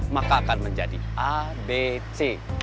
maka akan menjadi abc